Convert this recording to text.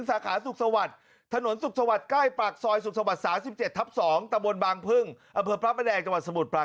อ๋อแต่ครับไม่ได้แทงโยงไม่ได้แทงยามอะไร